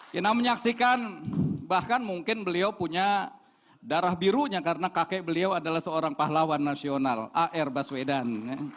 kita menyaksikan bahkan mungkin beliau punya darah birunya karena kakek beliau adalah seorang pahlawan nasional ar baswedan